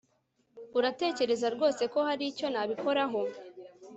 Uratekereza rwose ko hari icyo nabikoraho